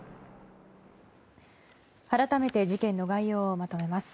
改めて事件の概要をまとめます。